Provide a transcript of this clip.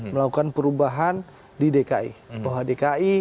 melakukan perubahan di dki